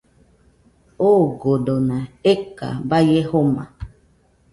Ogodona eka baie joma